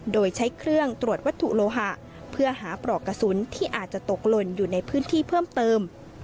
โดยใช้เครื่องตรวจวัตถุโลหะเพื่อหาปลอกกระสุนที่อาจจะตกหล่นอยู่ในพื้นที่เพิ่มเติม